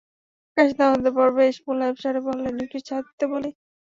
কাশি থামাবার পর বেশ মোলায়েম স্বরে বললেন, একটু চা দিতে বলি?